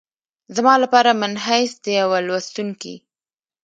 زما لپاره منحیث د یوه لوستونکي